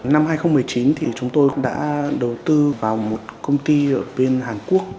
năm hai nghìn một mươi chín chúng tôi đã đầu tư vào một công ty ở bên hàn quốc